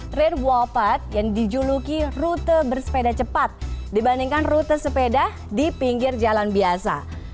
trade walpad yang dijuluki rute bersepeda cepat dibandingkan rute sepeda di pinggir jalan biasa